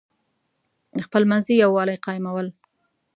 خپلمنځي یوالی قایمول.